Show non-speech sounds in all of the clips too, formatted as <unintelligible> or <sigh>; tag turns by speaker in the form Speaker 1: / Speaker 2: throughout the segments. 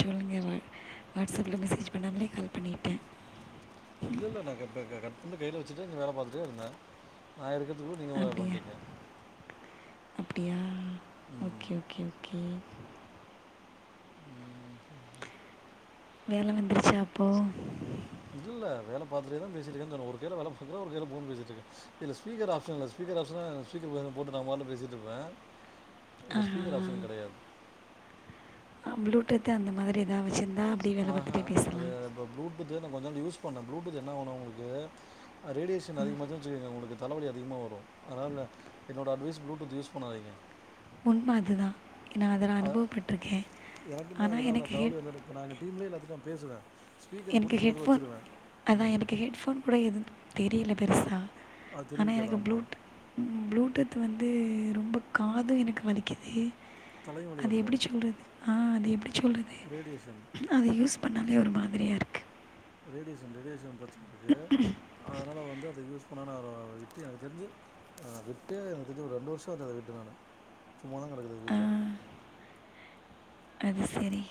Speaker 1: சொல்லுங்க வா வாட்ஸ் அப்புல மெசேஜ் பண்ணாமலே கால் பண்ணீர்க
Speaker 2: இல்ல இல்ல நா கட் கட் பண்ணி கையில வச்சிட்டு வேல பாத்துட்டே இருந்தே நா எடுக்கறத்துக்குள்ளே நீங்க பண்டிங்க
Speaker 1: அப்டியா
Speaker 2: ம்
Speaker 1: ஓகே ஓகே ஓகே வேல வந்துருச்சா அப்போ
Speaker 2: இல்ல வேல பாத்துட்டேதா பேசிட்டு இருக்கேன்னு சொன்னே ஒரு கைல வேல பாக்கறே ஒரு கைல ஃபோன் பேசிட்டு இருக்கே இதுல ஸ்பீக்கர் ஆப்ஷன் இல்ல ஸ்பீக்கர் ஆப்ஷன்னா ஸ்பீக்கர் போட்டு நா பாட்டுக் பேசிட்டுருப்பே இதுல
Speaker 1: ஆஹா,
Speaker 2: ஸ்பீக்கர் ஆப்ஷன் கெடையாது
Speaker 1: ஆ ப்ளூடூத் அந்த மாரி எதாவது வச்சிருந்
Speaker 2: அ ஹ அது இப்ப ப்ளூடூத் நா கொஞ்ச நாள் யூஸ் பண்ணே ப்ளூடூத் என்ன ஆவுணா உங்களுக்கு ரேடியேஷன் அதிகம் ஆச்சின்னா உங்களுக்கு தலவலி அதிகமா வரும் அதனால என்னோட அட்வைஸ் ப்ளூடூத் யூஸ் பண்ணாதீங்க
Speaker 1: உண்ம அதுதா ஏனா அத நா
Speaker 2: அ-
Speaker 1: அனுபவப்பட்ருக்கே ஆனா எனக்கு ஹெட்
Speaker 2: இப்ப நா எங்க டீம்லே எல்லாத்திட்டியு நா பேசுவே
Speaker 1: எனக்கு ஹெட் ஃபோன் அதா எனக்கு ஹெட் ஃபோன் கூட எது தெரியல பெருசா
Speaker 2: அது
Speaker 1: ஆனா
Speaker 2: தெரிவிக்காது
Speaker 1: எனக்கு ப்ளூடூ
Speaker 2: ஆமாம்
Speaker 1: ப்ளூடூத் வந்து ரொம்ப காது எனக்கு வலிக்கிது
Speaker 2: தலைவலி
Speaker 1: அத
Speaker 2: வந்துடும்
Speaker 1: எப்படி சொல்றது ஆ அத எப்டி சொல்றது
Speaker 2: ரேடியேஷன்
Speaker 1: அத யூஸ் பண்ணாலே ஒரு மாதிரியா
Speaker 2: ரேடியேஷன் ரேடியேஷன் பிரச்சன இருக்கு அதனால வந்து அத யூஸ் பண்ணனு அப்புற வித்து எனக்கு தெரிஞ்சி நா விட்டே எனக்கு தெரிஞ்சி ஒரு ரெண்டு வருஷம் ஆகுது அத விட்டு நானு சும்மாதா கெடக்குது
Speaker 1: ஆ
Speaker 2: வீட்ல
Speaker 1: அது செரி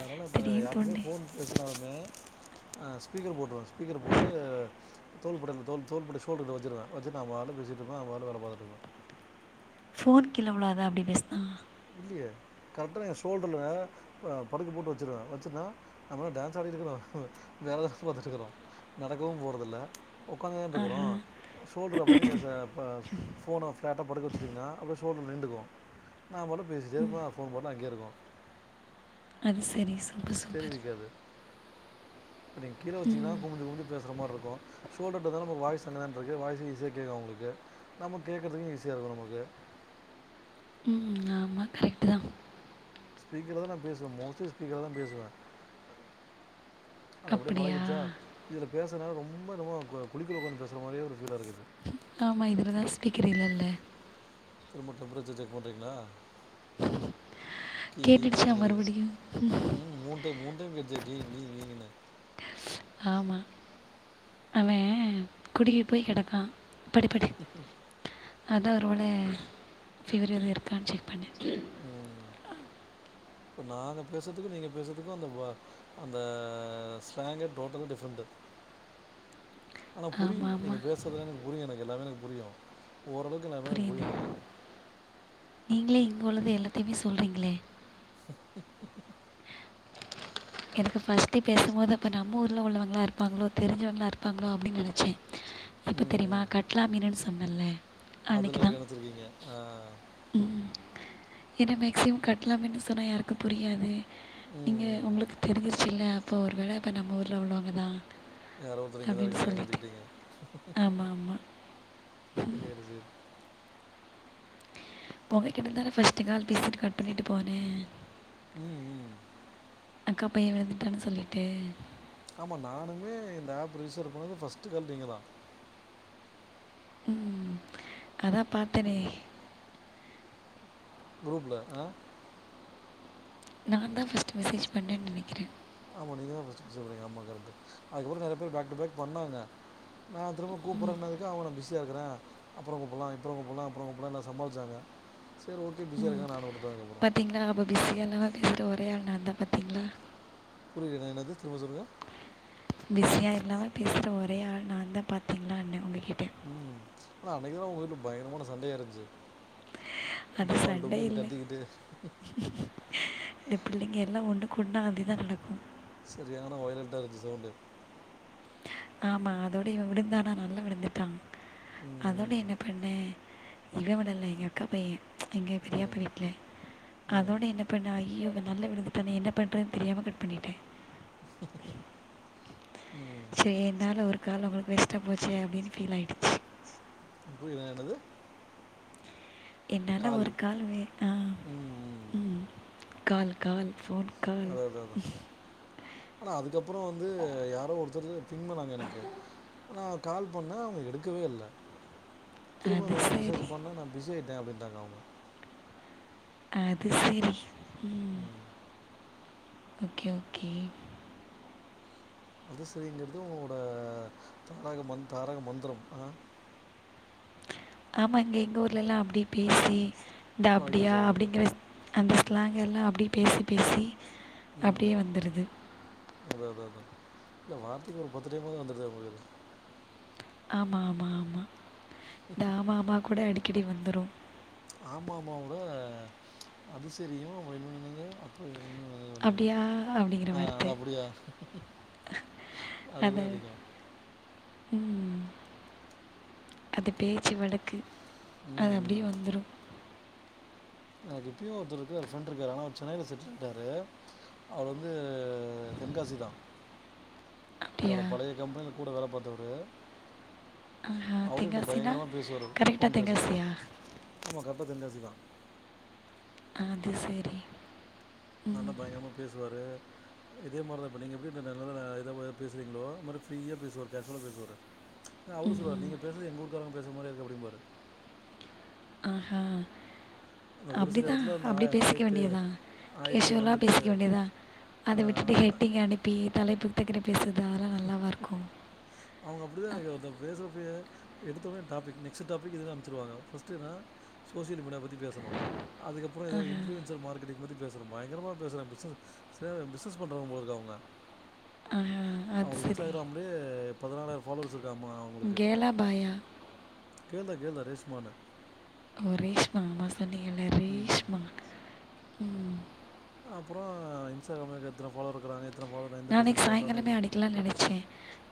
Speaker 2: அதுனால இப்ப யார்ட்டையுமே ஃபோன் பேசுனாலே ஸ்பீக்கர் அ போட்ருவே ஸ்பீக்கர் போட்டு தோள்பட்டையில தோள் தோள்பட்டை ஷோல்டர் குள்ள வச்சிருவே வச்சிட்டு நா பாட்ல பேசிட்டு இருப்பே அத பாட்ல வேல பாத்துட்டு இருப்பே
Speaker 1: ஃபோன் கீழ விழாதா அப்டி பேசுனா
Speaker 2: இல்லையே கரெக்டா நா என் ஷோல்டர்ல படுக்க போட்டு வச்சிருவே வச்சன்னா நம்ம என்ன டான்ஸ்சா ஆடிட்டு இருக்கறோ வேலைதா பாத்துட்டு இருக்கறோ நடக்கவு போறது இல்ல உக்காந்து தானே இருக்கறோ ஷோல்டர்ல அப்படியே நீங்க ச ப ஃபோன ஃப்ளாட்டா படுக்க வச்சிட்டீங்கன்னா அப்படியே ஷோல்டர்ல நிண்டுக்கு நா பாட்ல பேசிட்டே இருப்பே ஃபோன் பாட்ல அங்கயே இருக்கும்
Speaker 1: அது சரி சூப்பர் சூப்பர்
Speaker 2: தெரிவிக்காது இப்ப நீங்க கீழ வச்சீங்கன்னா குமிஞ்சு குமிஞ்சு பேசற மாறி இருக்கும் ஷோல்ர்ட்ட தானே நம்ம வாய்சும் அங்க தான இருக்கு வாய்சும் ஈஸியா கேக்கும் அவங்களுக்கு நமக்கு கேக்கறதுக்கும் ஈஸியா இருக்கும் நமக்கு
Speaker 1: ஆமா கரெக்டு தா
Speaker 2: ஸ்பீக்கர்ல தா நா பேசுவே மோஸ்லி ஸ்பீக்கர்ல தா பேசுவே அது அப்படியே
Speaker 1: அப்படியா
Speaker 2: பழகிடுச்சா இதுல பேசறதுனால ரொம்ப என்னமோ குழிக்குள்ள உக்காந்து பேசர மாறியே ஒரு ஃபீலா இருக்குது
Speaker 1: ஆமா இதுல தா ஸ்பீக்கர் இல்லல்ல
Speaker 2: திரும்ப டெம்பரேச்சர் செக் பண்றீங்ளா கீங் கீளின் கீங்
Speaker 1: கேட்டுடுச்சா
Speaker 2: குது
Speaker 1: மறுபடியும்
Speaker 2: ம் மூன் டைம் மூன் டைம் கேட்டுச்சே கீங் கீங் கீங்ன்னு
Speaker 1: ஆமா அவன் குடுகி போய் கிடக்கா படு படு அத்தா ஒரு வேல ஃபிவர் எதும் இருக்கான்னு செக் பண்ணே
Speaker 2: ம் இப்ப நாங்க பேசறதுக்கும் நீங்க பேசறதுக்கும் அந்த வா அந்த ஸ்லாங்கே டோட்டலா டிஃப்ரெண்ட்டு ஆனா புரியு
Speaker 1: ஆமாம்
Speaker 2: நீங்க
Speaker 1: ஆமாம்
Speaker 2: பேசறது எல்லா எனக்கு புரியு எனக்கு எல்லாமே எனக்கு புரியு ஓரளவுக்
Speaker 1: புரியல நீங்களே இங்க உள்ளத எல்லாத்தையுமே சொல்றீங்ளே
Speaker 2: ச
Speaker 1: எனக்கு ஃபர்ஸ்ட்டு பேசம்போது அப்ப நாம் நம்ம ஊர்ல உள்ளவங்களா இருப்பாங்களோ தெரிஞ்சவங்களா இருப்பாங்களோ அப்படின்னு நினைச்சே எப்ப தெரியுமா கட் கிலா மீனுன்னு சொன்னல்ல
Speaker 2: அதுல கெனச்சிருக்கீங்க ஆ
Speaker 1: ம் ஏன்னா மேக்ஸிமம் கட்டலா மீனுன்னு சொன்னா யாருக்கும் புரியாது
Speaker 2: ம்
Speaker 1: நீங்க
Speaker 2: ம்.
Speaker 1: உங்களுக்கு தெரிஞ்சிரிச்சு இல்ல அப்போ ஒருவேளை இப்ப நம்ம ஊர்ல உள்ளவங்கதா
Speaker 2: யாரோ ஒருத்தர் இங்க தா இருக்கறாங்கன்னு நினைச்சிக்கிட்டீங்க
Speaker 1: ஆமாம் ஆமாம்
Speaker 2: சேரி சேரி
Speaker 1: உங்க கிட்ட தான ஃபர்ஸ்ட்டு கால் பேசிட்டு கட் பண்ணிட்டு போனே
Speaker 2: உம்
Speaker 1: அக்கா பையன் விழுந்துட்டான்னு சொல்லிட்டு
Speaker 2: ஆமா நானுமே இந்த ஆப் ரிஜிஸ்டர் பண்ணது ஃபர்ஸ்ட்டு கால் நீங்க தா
Speaker 1: உம் அத்தா பாத்தனே
Speaker 2: குரூப்ல அ
Speaker 1: நா தா ஃபர்ஸ்ட்டு மெசேஜ் பண்ணன்னு நனைக்கிறே
Speaker 2: ஆமா நீங்க தா ஃபர்ஸ்ட்டு மெசேஜ் பண்ணீங்க ஆமா கரெக்ட்டு அதுக்கப்புறோ நறைய பேர் பேக் டூ பேக் பண்ணாங்க நா திரும்ப கூப்பற்றனதுக்கு அவங்க நா பிஸியா இருக்கறே அப்பறங் கூப்பட்லா இப்பற கூப்பட்லா அப்புற கூப்பட்லா எல்லா சாமாளிச்சாங்க சேரி ஓகே பிசியாக இருக்காங்கன்னு நானும் உட்டுட்டே அதுக்கப்றோ
Speaker 1: பாத்தீங்ளா அப்போ பிஸியா இல்லாம பேசுற ஒரே ஆள் நா தா பாத்தீங்ளா
Speaker 2: புரியலங்க என்னது திரும்ப சொல்லுங்க
Speaker 1: பிஸியா இல்லாம பேசுற ஒரே ஆள் நான் தா பாத்திங்ளான்னே உங்ககிட்ட
Speaker 2: ம் ஆனா அன்னைக்குதான உங்க வீட்ல பயங்கரமான சண்டையா இருந்துச்சு
Speaker 1: அது
Speaker 2: டமால்
Speaker 1: சண்டை
Speaker 2: டொமில்னு
Speaker 1: இல்ல
Speaker 2: கத்திக்கிட்டு
Speaker 1: இந்த பிள்ளைங்க எல்லா ஒண்ணு கூட்னா அதிதான் நடக்கு
Speaker 2: செரியான வொயலட்டா இருஞ்சு சவுண்டு
Speaker 1: ஆமா அதோட இவன் விழுந்தானா நல்லா விழுந்துட்டான் அதோட
Speaker 2: ம்
Speaker 1: என்ன பண்ணேன் இவன் விடல எங்க அக்கா பையன் எங்க
Speaker 2: ம்
Speaker 1: பெரியப்பா வீட்ல
Speaker 2: ம்
Speaker 1: அதோட என்ன பண்ண அய்யய்யோ இவன் நல்லா விழுந்துட்டானே என்ன பண்றதுன்னு தெரியாம கட் பண்ணிட்டேன்
Speaker 2: ம் ம்
Speaker 1: சே என்னால ஒரு கால் உங்களுக்கு வேஸ்ட்டா போச்சே அப்டின்னு ஃபீல் ஆயிடுச்சு
Speaker 2: புரில என்னது
Speaker 1: என்னால ஒரு கால் வே அ ம் கால் கால் ஃபோன் கால்
Speaker 2: அதா அதா ஆனா அதுக்கப்றோ வந்து யாரோ ஒருத்தறது பின் பண்ணாங்க எனக்கு நா கால் பண்ண அவுங்க எடுக்கவே இல்ல
Speaker 1: அது
Speaker 2: திரும்பவு மெசஜ்
Speaker 1: சரி
Speaker 2: பண்ணா நா பிஸியாயிட்டேன் அப்டின்டாங்க அவுங்க
Speaker 1: அது செரி ம் ஓகே ஓகே
Speaker 2: அது செரிங்கறது உங்களோட தாரக மந்த் தாரக மந்திரம் அ
Speaker 1: ஆமாங்க எங்க ஊர்லல்லா அப்டியே பேசி இந்த அப்டியா
Speaker 2: பழகிருச்சு அவங்களுக்கு
Speaker 1: அப்டிங்கிற அந்த ஸ்லாங் எல்லா அப்டியே பேசி பேசி அப்டியே வந்துருது
Speaker 2: அதா அதா அதா இல்ல வார்த்தைக்கு ஒரு பத்து டைமாவது வந்துருதே உங்களுக்கு
Speaker 1: ஆமா ஆமா ஆமா இந்த ஆமா ஆமா கூட அடிக்கடி வந்துரு
Speaker 2: ஆமாமாவோட அதுசரியு இன்னொன்னு என்னது அது அப்ப அது வந்து
Speaker 1: அப்படியா அப்படிங்கிற
Speaker 2: அ
Speaker 1: வார்த்தை
Speaker 2: அது அப்டியா
Speaker 1: அதை
Speaker 2: அதுதான் அதிகோ
Speaker 1: ம் அது பேச்சு வழக்கு அது
Speaker 2: ம்
Speaker 1: அப்டியே
Speaker 2: ம்
Speaker 1: வந்துரு
Speaker 2: எனக்கு இப்பயு ஒருத்தர் இருக்காரு ஃப்ரெண்ட்டு இருக்காரு ஆனா அவர் சென்னைல செட்டில்ட்டாரு அவரு வந்து தென்காசிதான்
Speaker 1: அப்படியா
Speaker 2: என்னோட பழைய கம்பெனில கூட வேல பாத்தவரு
Speaker 1: ஆஹா
Speaker 2: அவரு என்ட்ட
Speaker 1: தெங்காசினா
Speaker 2: பயங்கரமா பேசுவாரு
Speaker 1: கரெக்டாக
Speaker 2: ஃபோன் பேசினா
Speaker 1: தெங்காசியா
Speaker 2: ஆமா கரெக்டா தென்காசிதான்
Speaker 1: அது செரி
Speaker 2: நல்லா பயங்கரமா பேசுவாரு இதே மாரிதா இப்ப நீங்க எப்டி <unintelligible> இது மாரி பேசுறீங்ளோ இது மாரி ஃப்ரீயா பேசுவாரு கேஷ்யூலா பேசுவாரு இல்ல அவரு சொல்லுவாரு
Speaker 1: ம்
Speaker 2: நீங்க பேசறது எங்க ஊர்க்காரங்க பேசற மாரியே இருக்கு அப்டிம்பாரு
Speaker 1: ஆஹா
Speaker 2: அந்த ஒரு சில
Speaker 1: அப்டிதா
Speaker 2: இடத்துல அந்த
Speaker 1: அப்டி
Speaker 2: ஆ-
Speaker 1: பேசிக்க
Speaker 2: ஆயிட்டு
Speaker 1: வேண்டியதா
Speaker 2: ஆயிட்டு
Speaker 1: கேஷ்யூலா
Speaker 2: வந்துட்டு
Speaker 1: பேசிக்க வேண்டியதா அத
Speaker 2: ஆஹ்,
Speaker 1: விட்டுட்டு
Speaker 2: அந்த
Speaker 1: ஹெட்டிங் அனுப்பி தலைப்புக்கு தக்க பேசற
Speaker 2: ம் ‌ க்கும் அவுங்க அப்டிதான் எனக்கு ஒருத்தங்க பேசறப்பயே எடுத்த ஒன்னே டாபிக் நெக்ஸ்ட் டாபிக் இதுனு அனுப்ச்சிருவாங்க ஃபர்ஸ்ட்ன்னா சோஷியல் மீடியா பத்தி பேசணு அதுக்கப்றோ எதோ இன்புலுயன்சர் மார்கெட்டிங் பத்தி பேச ஒருத்தர் பயங்கரமா பேசறான் பிசினஸ் ச பிசினஸ் பண்றவங்கபோல இருக்கு அவுங்க
Speaker 1: ஆஹா, அது
Speaker 2: அவுங்களுக்கு
Speaker 1: சரி
Speaker 2: இன்ஸ்டாகிராம்லயே பதினாலாயிரம் ஃபாலோஸ் இருக்காமா அவங்களுக்கு
Speaker 1: கேர்ளா பாயா
Speaker 2: கேள்தா கேள்தா ரேஷ்மானு
Speaker 1: ஓ ரேஷ்மா ஆமா சொன்னீங்கல்ல
Speaker 2: ம்
Speaker 1: ரேஷ்மா ம்
Speaker 2: அப்றோ இன்ஸ்டாகிராமில எனக் எத்தன ஃபாலோவர் இருக்காங்க எத்தனை ஃபாலோ
Speaker 1: நா அன்னைக்கி சாயங்காலமே அடிக்கலானு நெனச்சே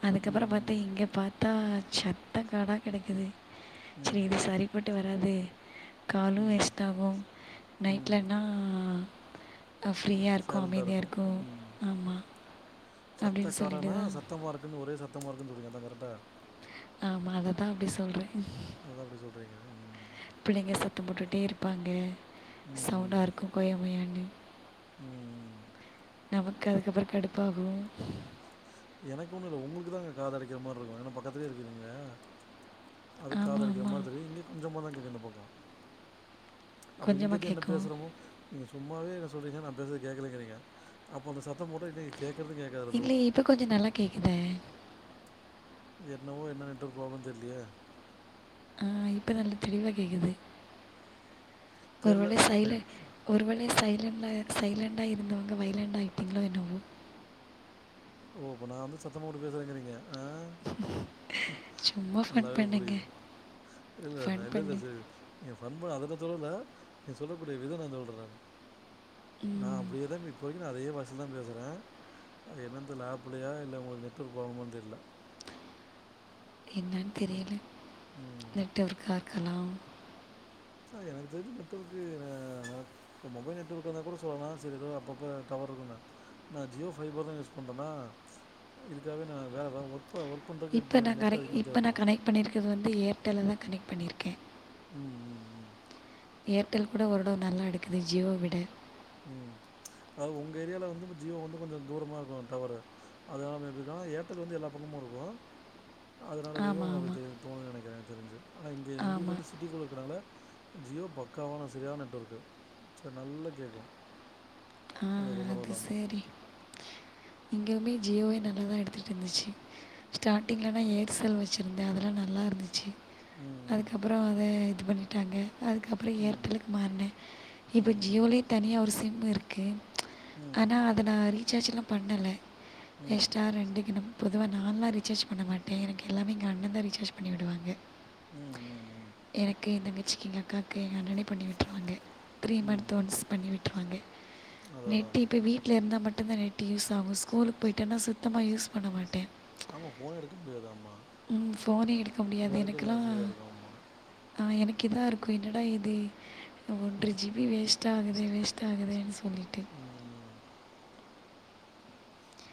Speaker 1: அதுக்கப்றோ
Speaker 2: ம் ம்
Speaker 1: பாத்த இங்க பாத் த்தா சநத்த காடா கெடக்குது சரி
Speaker 2: ம்
Speaker 1: இது சரி பட்டு வராது காலு
Speaker 2: ம்
Speaker 1: வேஸ்ட் ஆகு
Speaker 2: ம்
Speaker 1: நைட்லன்னா ஃப்ரீயா இருக்கு
Speaker 2: சைலண்ட்டாக
Speaker 1: அமைதியா இருக்கு ஆமா
Speaker 2: சத்தக்காடனா சத்தமா இருக்குன்னு ஒரே சத்தமா இருக்குன்னு சொல்றீங்க அதா கரெக்டா
Speaker 1: ஆமா அததா அப்டி சொல்றே
Speaker 2: அதா அப்டி சொல்றீங்க ம்
Speaker 1: பிள்ளைங்க சத்தம் போட்டுட்டே இருப்பாங்க
Speaker 2: ம்,
Speaker 1: சவுண்டா
Speaker 2: ம்.
Speaker 1: இருக்கு கொய்ய முய்யானு
Speaker 2: ம் ம்
Speaker 1: நமக்கு அதுக்கப்றோ கடுப்பாகு
Speaker 2: எனக்கு ஒன்னு இல்ல உங்களுக்கு தா அங்க காத அடைக்கிற மாதிரி இருக்கு ஏன்னா பக்கத்துலே இருக்கிறீங்க அதுக் காது
Speaker 1: ஆமாம்
Speaker 2: அடைக்கிற
Speaker 1: ஆமாம்
Speaker 2: மாதிரி தெரியு இங்க கொஞ்சமா தா கேக்கூ இந்த பக்கம் அப்போ
Speaker 1: கொஞ்சமாக
Speaker 2: இங்கெருந்து என்ன
Speaker 1: கேட்கும்
Speaker 2: பேசுறமோ நீங்க சும்மாவே இத சொல்றீங்க நா பேச கேட்கலங்கிறீங்க அப்பொ அந்த சத்த மோட்டா நீங் கேட்கற்து கேக்
Speaker 1: இல்லையே இப்ப கொஞ்சோ நல்லா கேக்குதே
Speaker 2: என்னவோ என்ன நெட்டு ப்ராப்ளம் தெர்லியே
Speaker 1: ஆ இப்ப நல்ல தெளிவா கேக்குது
Speaker 2: தெரியல.
Speaker 1: ஒருவேள சைலன் ஒருவேள சைலண்ல சைலண்ட்டா இருந்தவங்க வைலண்டா ஆய்ட்டிங்ளோ என்னமோ
Speaker 2: ஓ அப்ப நா வந்து சத்தம்போட்டு பேசுறேங்கிறீங்க ஆ
Speaker 1: சும்மா ஃபன்
Speaker 2: நல்லாவே
Speaker 1: பண்ணேங்க
Speaker 2: புரிய்து இல்ல
Speaker 1: ஃபன்
Speaker 2: நல்லது
Speaker 1: பண்ணு
Speaker 2: செய்றது எ பண்பு அதல தோணல நீ சொல்லக்கூடிய விதம் நா சொல்ற நானு நா
Speaker 1: ம்,
Speaker 2: எதமி பொய்கிது அதே வாய்ஸ்ல தா பேசுறே அது என்னன் இந்த ஆப்லயா இல்ல உங்ளுக் நெட்வொர்க் ப்ராப்ளமான் தெர்ல
Speaker 1: என்னான் தெரியல
Speaker 2: ம்
Speaker 1: நெட்வொர்க்கா இர்க்கலா
Speaker 2: ஆனா எனக் தெரிஞ் நெட்வொர்க்கு நா நா இப்ப மொபைல் நெட்ஒர்க் இருந்தா கூட சொல்லலா சரி எதோ அப்பப்ப டவர் இல்லனு நா ஜியோ ஃபைபர் தா யூஸ் பண்றனா இதுக்காவே நா வேற வே ஒர்க ப ஒர்க் ஒர்க் பண்றக் கே ஜி நெட்டு அதிகமா தேவப்படு
Speaker 1: பண்ணிர்க்கறது வந்து ஏர்டெல்ல தா கனெட் பண்ணிருக்கே
Speaker 2: ம் ம் ம்
Speaker 1: ஏர்டெல் கூட ஒருடொ நல்லா எடுக்குது ஜியோவ விட
Speaker 2: அ உங்க ஏரியால வந்து ஜியோ வந்து கொஞ்ச தூரமா இருக்கு டவரு அதனா மேபீ தா ஏர்ட்டெல் வந்து எல்லா பக்கமு இருக்கூ அதனால வெர்யு
Speaker 1: ஆமாம்
Speaker 2: அப்டி
Speaker 1: ஆமாம்
Speaker 2: தெரி தோணுது நெனக்கிற எனக் தெரிஞ்சு ஆனா இங்க எங்களுக்கு
Speaker 1: ஆமாம்
Speaker 2: வந்து சிட்டிக்குள்ள இருக்கிறனால ஜியோ பக்காவான செரியான நெட்வொர்க்கு சரி நல்லா கேக்கும்
Speaker 1: ஆ அது செரி இங்யுமே ஜியோவே நல்லாதா எடுத்துட்ருந்துச்சு ஸ்டார்டிங்ல நா ஏர்செல் வச்சிருந்தே அதெல்லா நல்லா இருந்துச்சி
Speaker 2: ம்
Speaker 1: அதுக்கப்புற அத இது பண்ணிட்டாங்க அதுக்கப்புற
Speaker 2: ம்
Speaker 1: ஏர்டெல்லுக்கு மார்னே இப்போ
Speaker 2: ம்
Speaker 1: ஜியோலியு தனியாக ஒரு சிம் இருக்கு
Speaker 2: ம் ம்
Speaker 1: ஆனா அத நா ரீசார்ஜ்ல்லா பண்ணல
Speaker 2: ம்
Speaker 1: எஸ்ட்டா ரெண்டுக்கிணம் பொதுவா நான்லா ரீசார்ஜ் பண்ண மாட்டே எனக்கு எல்லாமே எங்க அண்ணந்தா ரீசார்ஜ் பண்ணிவிடுவாங்க
Speaker 2: ம் ம்
Speaker 1: எனக்கு எந்தங்கச்சிக்கு எங்க அக்காக்கு எங்க அண்ணனே பண்ணி விட்ருவாங்க த்ரீ மந்த்
Speaker 2: ம்
Speaker 1: ஒன்ஸ் பண்ணி விட்ருவாங்க
Speaker 2: அதான் அதான்
Speaker 1: நெட்
Speaker 2: அதான்
Speaker 1: இப்ப வீட்ல இருந்தா மட்டுந்தா நெட் யூஸ் ஆகு ஸ்கூலுக் போய்ட்டேன்னா சுத்தமா யூஸ் பண்ண மாட்டே
Speaker 2: ஆமா ஃபோன எடுக்க முடியாதாமா
Speaker 1: ம் ஃபோனே எடுக்க முடியாது எனக்கெல்லா
Speaker 2: இருக்கும் அம்மா
Speaker 1: ஆ எனக் இதா இருக்கு என்னடா இது ஒன்ற ஜீப் பி வேஸ்ட்டாகுதே வேஸ்ட்டாகுதேன் சொல்லிட்டு
Speaker 2: ம்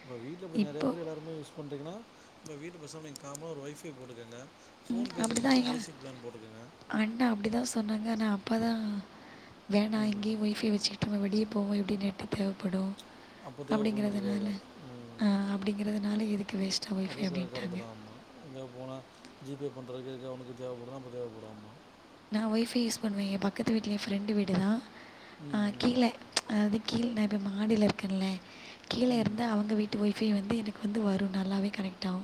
Speaker 2: இப்ப வீட்ல கொஞ்ச நெறய
Speaker 1: இப்போ
Speaker 2: பேர் எல்லாருமே யூஸ் பண்றீங்கனா இப்ப வீட்டுக் பெசாம நீ காம்னா ஒரு ஒய்ஃபை போட்டுக்கங்க ஃபோன்
Speaker 1: அப்படி
Speaker 2: பேசற்து
Speaker 1: தான்
Speaker 2: மட்டு
Speaker 1: எங்கள்
Speaker 2: பேசிக் பிளான் போட்டுக்கங்க
Speaker 1: அண்ணா அப்டி தா சொன்னாங்க ஆனா அப்பா தா வேனா
Speaker 2: ம்
Speaker 1: இங்கயே ஒய்ஃபை வச்சுகிட்டு நம்ம வெளிய போவோ எப்டியு நெட் தேவப்படு
Speaker 2: அப்போ
Speaker 1: அப்டிங்கறதுனால
Speaker 2: தேவைப்படுங்கிறதுக்காக ம்
Speaker 1: அ அப்டிங்கறதுனால எதுக்கு வேஸ்ட்
Speaker 2: அது சரி கரெட்டுதா ஆமா எங்கயாவ் போனா ஜி பே பண்றதுக்கு எதுக்னா ஒண்ணுக்கு தேவப்படு அப்ப தேவப்படு ஆமா
Speaker 1: நா ஒய்ஃபை யூஸ் பண்ணுவே எ பக்கத்து வீட்ல என் ஃப்ரெண்டு வீட்டு தா அ
Speaker 2: ம்
Speaker 1: கீழ அதாவது கீழ் நாங்க மாடில இருக்கன்ல கீழ
Speaker 2: ம் ம்
Speaker 1: இருந்தா அவங்க வீட் டு ஒய்ஃபை வந்து எனக்கு வந்து வரு நல்லாவே கனெக்ட் ஆகு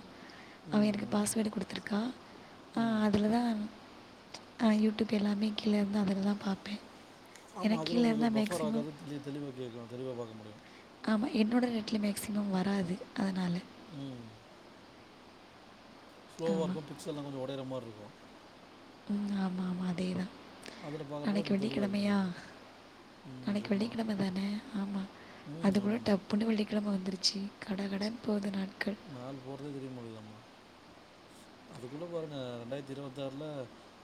Speaker 1: அவ எனக்கு
Speaker 2: ம்
Speaker 1: பாஸ்வர்டு குடுத்துருக்கா அ
Speaker 2: ம் ம்
Speaker 1: அதுல தா அ யூடியூப் எல்லாமே கீழருந்து அதுல தா பாப்பே
Speaker 2: ஆமா அதுல ஒங்களுக்கு பஃபர் ஆகாது தெளி தெளிவா கேக்கு தெளிவா பாக்க முடியு
Speaker 1: ஆமா என்னோட நெட்ல மேக்சிமம் வராது அதுனால
Speaker 2: ம் ஸ்லோவா இருக்கு
Speaker 1: ஆமாம்
Speaker 2: பிக்சல்லா கொஞ்சோ ஒடையற மாரி இருக்கு
Speaker 1: ம் ஆமாமா அதேதா
Speaker 2: பார்க்குறப்போ
Speaker 1: நாளைக்கு
Speaker 2: கொஞ்சம் தெளிவாக இருக்கும்
Speaker 1: வெள்ளிக்கெழமையா
Speaker 2: உங்களுக்கு ம்
Speaker 1: நாளைக்கு
Speaker 2: சும்மா
Speaker 1: வெள்ளிக்கெழம தான ஆமா அது
Speaker 2: ம்
Speaker 1: கூட
Speaker 2: ஆமாம்மா
Speaker 1: டப் புன்னு வெள்ளிக்கெழம வந்துறுச்சு கட கடன் போது நாட்கள்
Speaker 2: நாள் போறதே தெரிய மாட்டிகிது ஆமா அதுக்குள்ள பாருங்க ரெண்டாயிரத்தி இருவத்தாறுல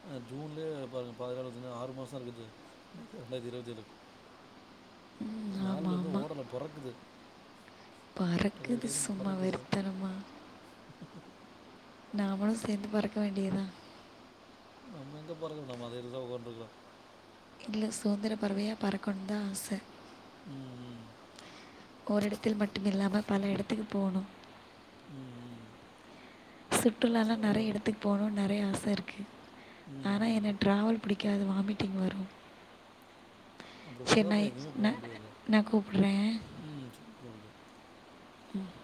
Speaker 2: அ ஜூன்லயே பாருங்க பாதி நாள் வந்துச்சுனா ஆறு மாசோ இருக்குது ரெண்டாயிரத்தி இருவத்தேழுக்கு
Speaker 1: ம்
Speaker 2: நாள்
Speaker 1: ஆமாம்
Speaker 2: வந்து
Speaker 1: ஆமாம்
Speaker 2: ஓடல பொறக்குது
Speaker 1: பறக்குது சும்மா
Speaker 2: பறக்குது
Speaker 1: வெறித்தனமா நாமளு சேந்து பறக்க வேண்டிதா
Speaker 2: நம்ம எங்க பறக்குறோ நம்ம அதே இதுலதா ஓடிருக்குறோ
Speaker 1: எங்களுக் சுதந்திர பறவையா பறக்கணுன் தா ஆச
Speaker 2: ம் ம்
Speaker 1: ஓரிடத்தில் மட்டும் இல்லாமல் பல இடத்துக்கு போணு
Speaker 2: ம் ம்
Speaker 1: சுற்றுலாலா நெறைய
Speaker 2: அதனால்
Speaker 1: எடத்துக் போணுன் நெறைய ஆச இருக்கு
Speaker 2: ம்
Speaker 1: ஆனா
Speaker 2: ம்
Speaker 1: என்ன ட்ராவல் பிடிக்காது வாமிட்டிங் வரு
Speaker 2: அப்படி
Speaker 1: சேர்
Speaker 2: பார்த்தா அப்புறம்
Speaker 1: நைட்
Speaker 2: எங்கேயுமே போக
Speaker 1: நா
Speaker 2: முடியாது
Speaker 1: நா கூப்புற்றே
Speaker 2: ம் சரி ஓகே
Speaker 1: ம்